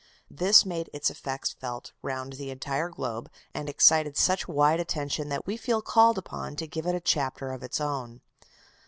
This made its effects felt round the entire globe, and excited such wide attention that we feel called upon to give it a chapter of its own.